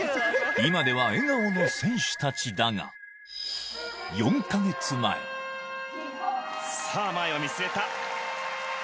今では笑顔の選手たちだが４か月前さぁ前を見据えた。